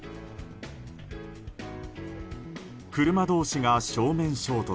車通しが正面衝突。